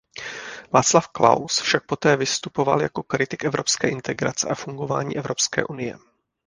Václav Klaus však poté vystupoval jako kritik evropské integrace a fungování Evropské unie.